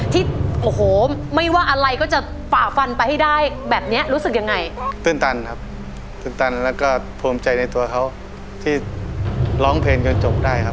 ที่โอ้โหไม่ว่าอะไรก็จะฝ่าฟันไปให้ได้แบบเนี้ยรู้สึกยังไงตื่นตันครับตื่นตันแล้วก็ภูมิใจในตัวเขาที่ร้องเพลงจนจบได้ครับ